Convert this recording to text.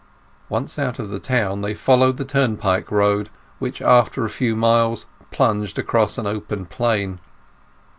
Once out of the town they followed the turnpike road, which after a few miles plunged across an open plain.